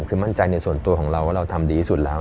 คือมั่นใจในส่วนตัวของเราว่าเราทำดีที่สุดแล้ว